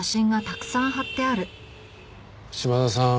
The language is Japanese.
島田さん